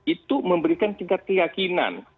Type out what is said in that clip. itu memberikan tingkat keyakinan